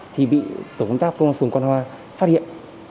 thì bị tổ công tác công an phường quan hoa phát hiện